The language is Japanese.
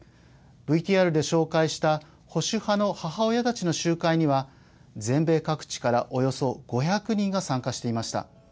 ＶＴＲで紹介した保守派の母親たちの集会には全米各地から、およそ５００人が参加していました。